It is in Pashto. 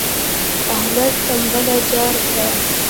احمد کمبله جار کړه.